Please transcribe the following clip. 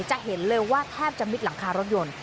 จะเห็นเลยว่าแทบจะมิดหลังคารถยนต์